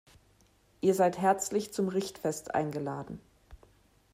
Ihr seid herzlich zum Richtfest eingeladen.